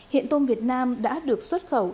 hiện tôm việt nam đã được xuất khẩu